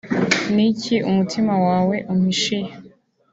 ni iki umutima wawe umpishiye